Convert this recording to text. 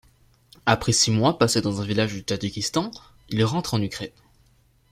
Après six mois passé dans un village du Tadjikistan, il rentre en Ukraine.